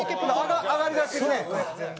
上がりだしてるね！